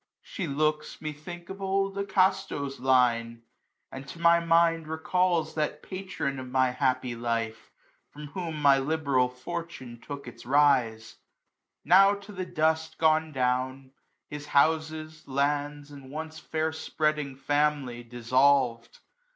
She looks, methinks, ^ Of old AcXsTo's line; and to my mind " Recalls that patron of my happy life, From whom my liberalfortune took its rise; " Now to the dust gone down ; his houses, lands, 245 " And once fair spreading family, dissolved.